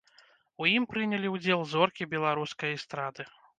У ім прынялі ўдзел зоркі беларускай эстрады.